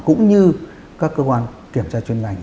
cũng như các cơ quan kiểm tra chuyên ngành